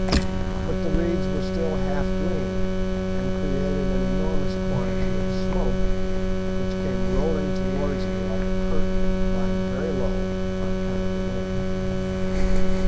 But the reeds were still half green, and created an enormous quantity of smoke, which came rolling towards me like a curtain, lying very low on account of the wind.